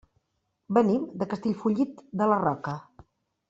Venim de Castellfollit de la Roca.